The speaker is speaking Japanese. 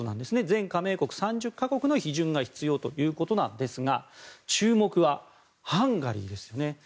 全加盟国３０か国の批准が必要ということですが注目はハンガリーです。